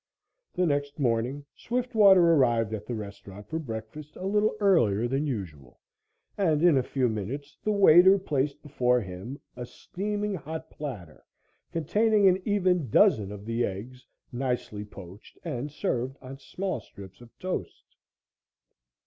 The next morning Swiftwater arrived at the restaurant for breakfast, a little earlier than usual, and in a few minutes the waiter placed before him a steaming hot platter containing an even dozen of the eggs, nicely poached and served on small strips of toast.